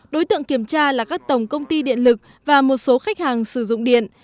đối tượng kiểm tra là các tổng công ty điện lực và một số khách hàng sử dụng điện